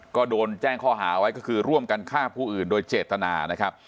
ก็โดนแจ้งข้อหาไว้ก็คือร่วมกันฆ่าผู้อื่นโดยเจตนานะครับ